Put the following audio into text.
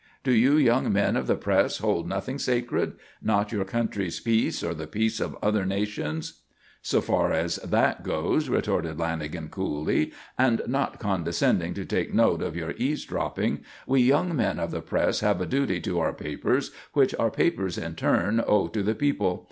Do you young men of the press hold nothing sacred? Not your country's peace or the peace of other nations?" "So far as that goes," retorted Lanagan, coolly, "and not condescending to take note of your 'eavesdropping,' we young men of the press have a duty to our papers which our papers in turn owe to the people.